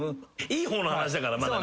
いい方の話だからまだ。